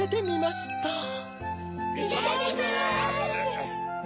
いただきます！